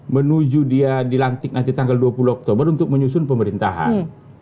menuju dia dilantik nanti tanggal dua puluh oktober untuk menyusun pemerintahan